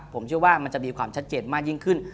ผมเชื่อว่ามันจะมีความชัดเจนมากยิ่งขึ้น